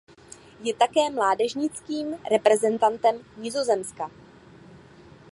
Je také mládežnickým reprezentantem Nizozemska.